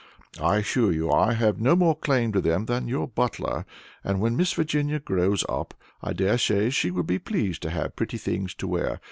I assure you I have no more claim on them than your butler, and when Miss Virginia grows up, I dare say she will be pleased to have pretty things to wear.